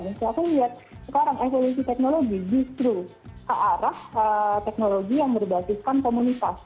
misalnya aku lihat sekarang evolusi teknologi justru ke arah teknologi yang berbasiskan komunitas